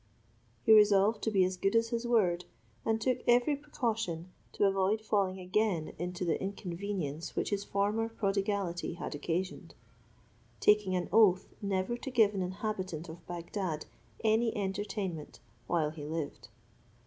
He resolved to be as good as his word, and took every precaution to avoid falling again into the inconvenience which his former prodigality had occasioned; taking an oath never to give an inhabitant of Bagdad any entertainment while he lived.